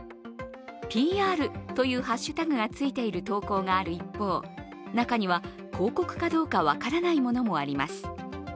「ＰＲ」というハッシュタグがついている投稿がある一方中には、広告かどうか分からないものもあります。